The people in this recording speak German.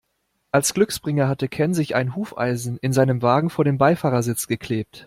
Als Glücksbringer hatte Ken sich ein Hufeisen in seinem Wagen vor den Beifahrersitz geklebt.